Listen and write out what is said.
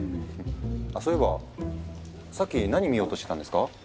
あそういえばさっき何見ようとしてたんですか？